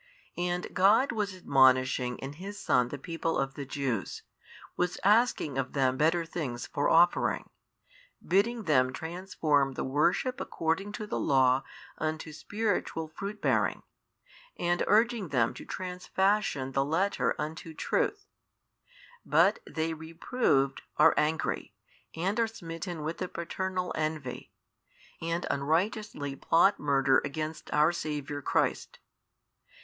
And God was admonishing in His Son the people of the Jews, was asking of them better things for offering, bidding them transform the worship according to the Law unto spiritual fruit bearing, and |656 urging them to transfashion the Letter unto truth: but they reproved are angry, and are smitten with the paternal envy, and unrighteously plot murder against our Saviour Christ.